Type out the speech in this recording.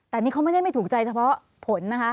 แต่นี่เขาไม่ได้ไม่ถูกใจเฉพาะผลนะคะ